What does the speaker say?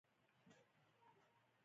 آیا تیل او ډوډۍ ارزانه نه دي؟